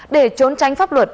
để trốn tránh pháp luật